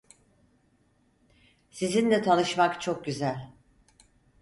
Sizinle tanışmak çok güzel.